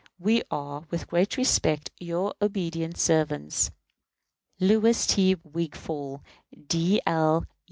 We are, with great respect, your obedient servants, LOUIS T. WIGFALL, D. L.